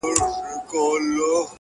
لېوه سمبول دنني وحشت ښيي ډېر,